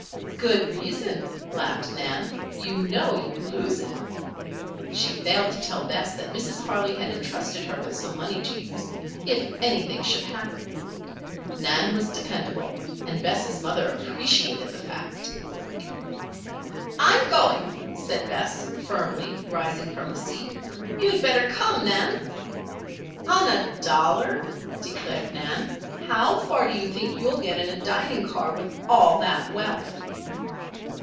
"Good reason," laughed Nan. "You know you'd lose it." She failed to tell Bess that Mrs. Harley had entrusted her with some money to use, "if anything should happen." Nan was dependable and Bess' mother appreciated the fact. "I'm going," said Bess, firmly, rising from the seat. "You'd better come, Nan." "On a dollar?" declared Nan. "How far do you think you'll get in a dining car with all that wealth?"